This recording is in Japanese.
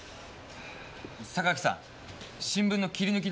榊さん新聞の切り抜きのことは？